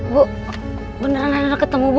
bu beneran enak ketemu bu